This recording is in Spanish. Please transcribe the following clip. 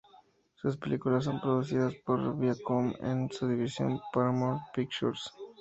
Sus películas son producidas por Viacom en su división Paramount Pictures.